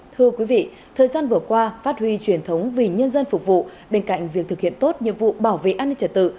thưa quý vị thời gian vừa qua phát huy truyền thống vì nhân dân phục vụ bên cạnh việc thực hiện tốt nhiệm vụ bảo vệ an ninh trật tự